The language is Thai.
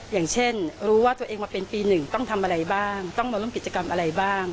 อย่างเช่นรู้ว่าตัวเองมาเป็นปี๑ต้องทำอะไรบ้างต้องมาร่วมกิจกรรมอะไรบ้าง